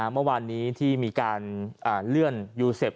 เมื่อวานนี้ที่มีการเลื่อนยูเซฟ